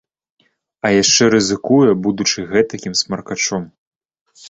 А яшчэ рызыкуе, будучы гэтакім смаркачом.